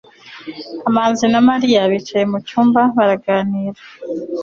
kamanzi na mariya bicaye mucyumba baraganira